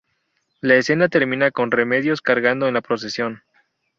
La escena termina con Remedios cargando en la procesión.